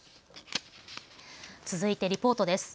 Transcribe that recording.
続いてリポートです。